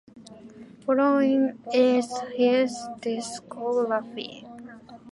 Following is his discography.